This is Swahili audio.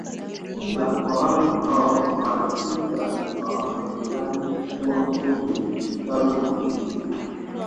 Ila kwa wale ambao hawajafika Sumbawanga hudhani kuwa huo ni uchawi na ushirikina